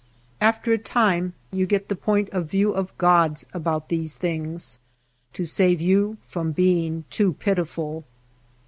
After a time you get the point of view of gods about these things to save you from being too pitiful.